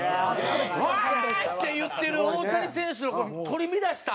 ワーッ！って言ってる大谷選手の取り乱した。